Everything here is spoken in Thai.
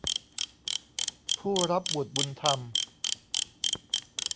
ผู้รับบุตรบุญธรรม